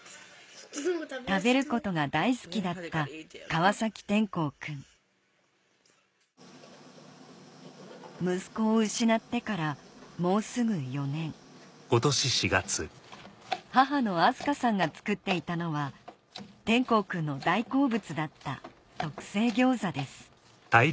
食べることが大好きだった川皇くん息子を失ってからもうすぐ４年母の明日香さんが作っていたのは皇くんの大好物だった特製ギョーザです